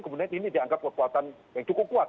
kemudian ini dianggap kekuatan yang cukup kuat